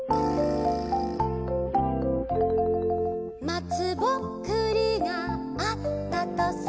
「まつぼっくりがあったとさ」